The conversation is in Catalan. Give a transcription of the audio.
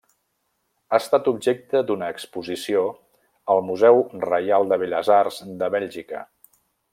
Ha estat objecte d'una exposició, al Museu Reial de Belles Arts de Bèlgica.